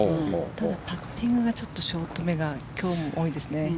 ただ、パッティングがちょっとショートめが今日も多いですね。